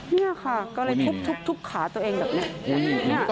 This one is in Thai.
นี่ค่ะก็เลยทุบขาตัวเองแบบนี้